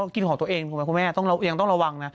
กินของตัวเองคุณแม่คุณแม่ต้องระวังนะ